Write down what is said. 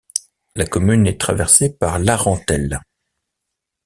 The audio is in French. La commune est traversée par l'Arentèle.